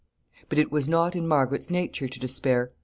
] But it was not in Margaret's nature to despair.